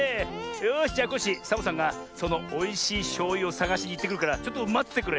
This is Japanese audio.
よしじゃコッシーサボさんがそのおいしいしょうゆをさがしにいってくるからちょっとまっててくれ。